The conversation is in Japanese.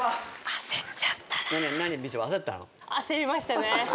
焦りましたね。